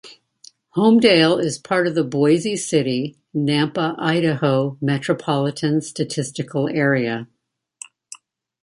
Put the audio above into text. Homedale is part of the Boise City-Nampa, Idaho Metropolitan Statistical Area.